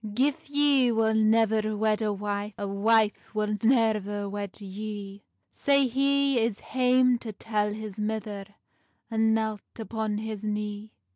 "Gif ye wull nevir wed a wife, A wife wull neir wed yee;" Sae he is hame to tell his mither, And knelt upon his knee.